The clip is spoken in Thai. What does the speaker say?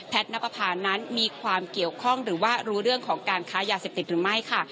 นับประพานั้นมีความเกี่ยวข้องหรือว่ารู้เรื่องของการค้ายาเสพติดหรือไม่ค่ะ